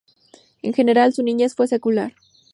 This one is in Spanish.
En general, su niñez fue secular.